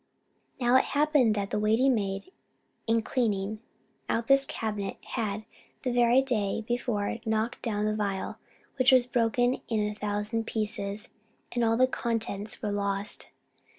Now it happened that a waiting maid, in cleaning out this cabinet, had, the very day before knocked down the phial, which was broken in a thousand pieces, and all the contents were lost.